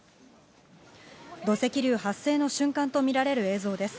土石流発生の瞬間と見られる映像です。